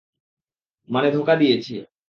মানে, ধোকা দিয়েছি।